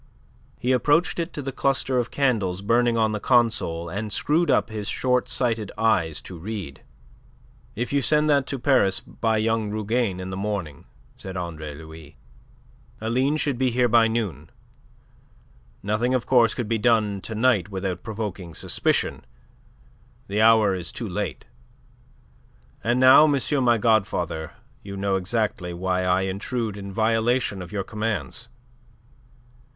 He approached it to the cluster of candles burning on the console and screwed up his short sighted eyes to read. "If you send that to Paris by young Rougane in the morning," said Andre Louis, "Aline should be here by noon. Nothing, of course, could be done to night without provoking suspicion. The hour is too late. And now, monsieur my godfather, you know exactly why I intrude in violation of your commands.